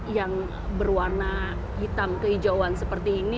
yang berwarna hitam kehijauan seperti ini